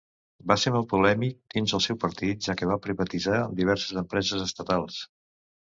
Va ser molt polèmic dins el seu partit, ja que va privatitzar diverses empreses estatals.